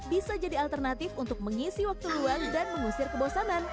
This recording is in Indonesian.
bisa jadi alternatif untuk mengisi waktu luang dan mengusir kebosanan